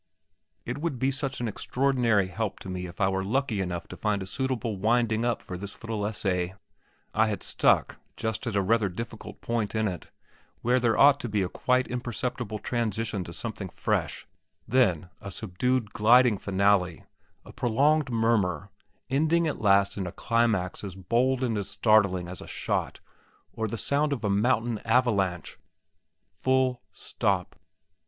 It would be such an extraordinary help to me if I were lucky enough to find a suitable winding up for this little essay. I had stuck just at a rather difficult point in it, where there ought to be a quite imperceptible transition to something fresh, then a subdued gliding finale, a prolonged murmur, ending at last in a climax as bold and as startling as a shot, or the sound of a mountain avalanche full stop.